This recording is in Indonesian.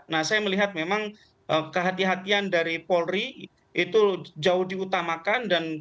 nah saya melihat memang kehatian kehatian dari polri itu jauh diutamakan